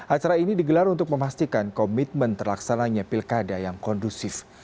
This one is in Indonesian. acara ini digelar untuk memastikan komitmen terlaksananya pilkada yang kondusif